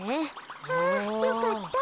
あよかった。